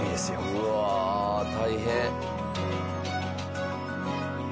うわあ大変。